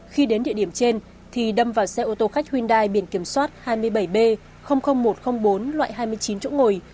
khi đến địa điểm trên thì đâm vào xe ô tô khách hyundai biển kiểm soát hai mươi bảy b một trăm linh bốn loại hai mươi chín chỗ ngồi